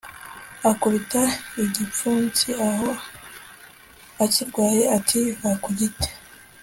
akubita igipfunsiaho akirwaye, ati «va ku giti